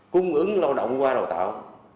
cung ứng lao động qua đào tạo